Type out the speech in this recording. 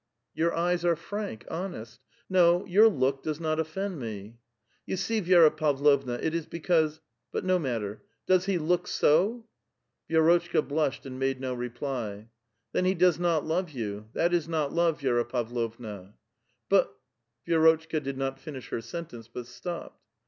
"*' Your eyes are frank, honest. No; your look does not offend me." *' You see, Vi^ra Pavlovna, it is because — but no matter. Does he look so ?" Vi^rotchka blushed and made no reply. *'Then he does not love you. That is not love, Vi6ra Pavlovna." *'But —" Vi^rotchka did not finish her sentence, but stopped.